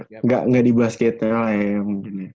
nggak di basketnya lah ya mungkin ya